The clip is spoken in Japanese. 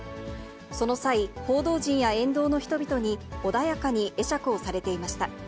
その際、報道陣や沿道の人々に、穏やかに会釈をされていました。